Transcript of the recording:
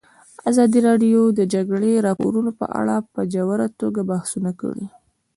ازادي راډیو د د جګړې راپورونه په اړه په ژوره توګه بحثونه کړي.